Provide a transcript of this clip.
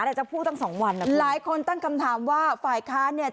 จะพูดตั้งสองวันอ่ะหลายคนตั้งคำถามว่าฝ่ายค้านเนี่ย